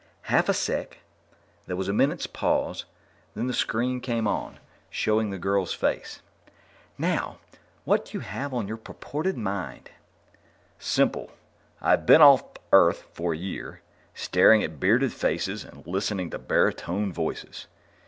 "Half a sec." There was a minute's pause, then the screen came on, showing the girl's face. "Now, what do you have on your purported mind?" "Simple. I've been off Earth for a year, staring at bearded faces and listening to baritone voices.